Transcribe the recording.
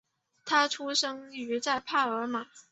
他出生在帕尔马。